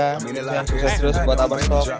terima kasih terus buat abostock